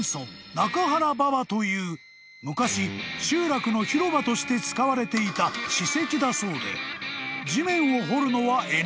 という昔集落の広場として使われていた史跡だそうで］